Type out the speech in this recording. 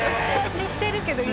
知ってるけど。